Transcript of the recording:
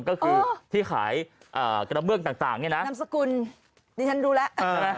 ก็คือที่ขายกระเบื้องต่างเนี่ยนะนามสกุลดิฉันรู้แล้ว